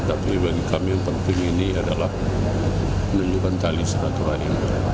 tapi bagi kami yang penting ini adalah menunjukkan tali silaturahim